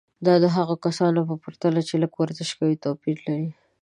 دا د هغو کسانو په پرتله چې لږ ورزش کوي توپیر لري.